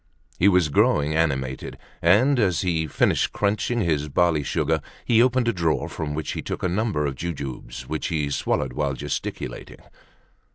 He was growing animated, and as he had finished crunching his barley sugar, he opened a drawer from which he took a number of jujubes, which he swallowed while gesticulating.